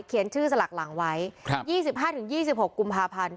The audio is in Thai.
เขียนชื่อสลักหลังไว้ครับยี่สิบห้าถึงยี่สิบหกกุมภาพันธุ์